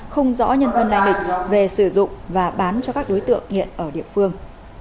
không rõ nhân thân lại định về sử dụng và bán cho các đối tượng hiện ở địa phương